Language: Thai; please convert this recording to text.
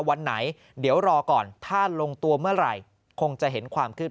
วันไหนเดี๋ยวรอก่อนถ้าลงตัวเมื่อไหร่คงจะเห็นความคืบหน้า